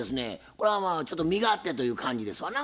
これはまあ身勝手という感じですわな。